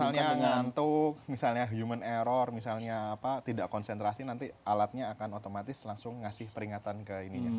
kalau misalnya ngantuk misalnya human error misalnya apa tidak konsentrasi nanti alatnya akan otomatis langsung ngasih peringatan ke ininya